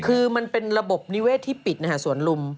คือมันเป็นระบบนิเวศที่ปิดนะฮะสวนลุม